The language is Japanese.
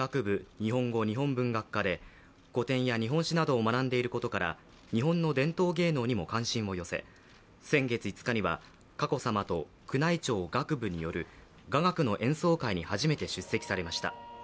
日本語日本文学科で古典や日本史などを学ばれていることから日本の伝統芸能にも関心を寄せ先月５日には佳子さまと宮内庁・楽部による雅楽の演奏会に初めて出席されました。